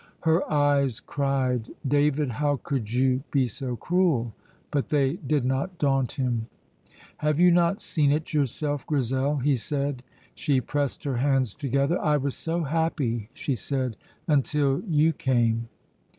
Her eyes cried, "David, how could you be so cruel!" but they did not daunt him. "Have you not seen it yourself, Grizel?" he said. She pressed her hands together. "I was so happy," she said, "until you came!"